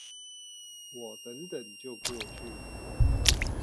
我等等就過去